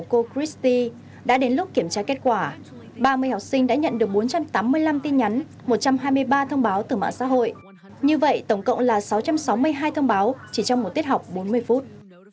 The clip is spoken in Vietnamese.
cô christie đã đến lúc kiểm tra kết quả ba mươi học sinh đã nhận được bốn trăm tám mươi năm tin nhắn một trăm hai mươi ba thông báo từ mạng xã hội như vậy tổng cộng là sáu trăm sáu mươi hai thông báo chỉ trong một tiết học bốn mươi phút